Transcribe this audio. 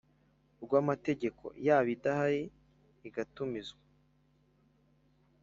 rw amategeko yaba adahari igatumizwa